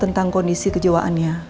tentang kondisi kecewaannya